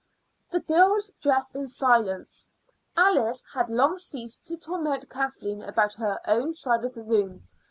The girls dressed in silence. Alice had long ceased to torment Kathleen about her own side of the room.